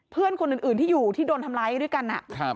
เพื่อนคนอื่นที่อยู่ที่โดนทำร้ายด้วยกัน